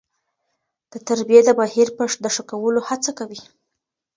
د تربيې د بهیر د ښه کولو هڅه کوي.